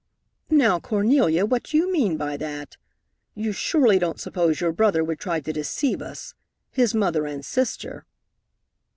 "Now, Cornelia, what do you mean by that? You surely don't suppose your brother would try to deceive us his mother and sister?"